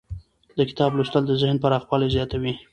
د کتاب لوستل د ذهن پراخوالی زیاتوي.